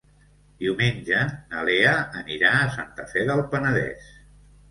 Diumenge na Lea anirà a Santa Fe del Penedès.